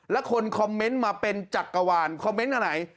แล้วคนคอมเมนต์มาเป็นจักรวาลคอมเมนต์อันไหน